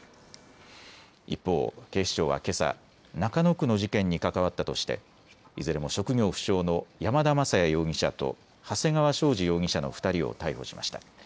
一方、警視庁はけさ、中野区の事件に関わったとしていずれも職業不詳の山田雅也容疑者と長谷川将司容疑者の２人を逮捕しました。